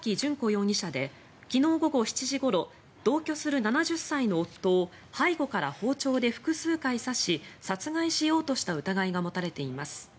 容疑者で昨日午後７時ごろ同居する７０歳の夫を背後から包丁で複数回刺し殺害しようとした疑いが持たれています。